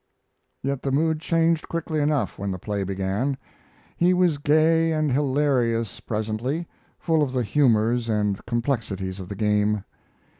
Yet the mood changed quickly enough when the play began. He was gay and hilarious presently, full of the humors and complexities of the game.